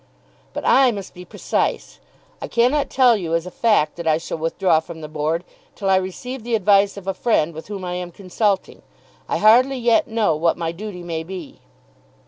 "But I must be precise. I cannot tell you as a fact that I shall withdraw from the Board till I receive the advice of a friend with whom I am consulting. I hardly yet know what my duty may be."